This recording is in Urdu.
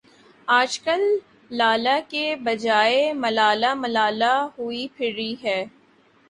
آجکل لالہ کے بجائے ملالہ ملالہ ہوئی پھری ہے ۔